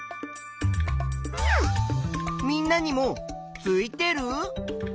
みんなにもついてる？